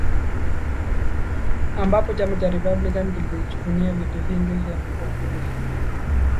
ambapo chama cha republican kilijivunia viti vingi vya wambunge